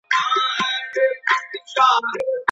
که ئې د اطاعت ژمنه وکړه.